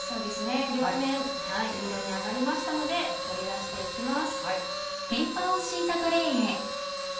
両面いい色に揚がりましたので取り出して行きます。